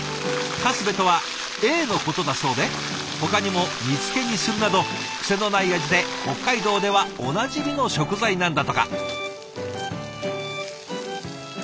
カスベとはエイのことだそうでほかにも煮つけにするなどクセのない味で北海道ではおなじみの食材なんだとか。